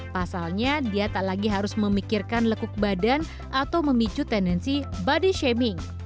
pasalnya dia tak lagi harus memikirkan lekuk badan atau memicu tendensi body shaming